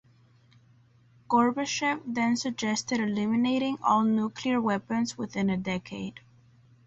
Gorbachev then suggested eliminating all nuclear weapons within a decade.